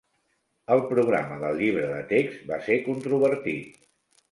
El programa del llibre de text va ser controvertit.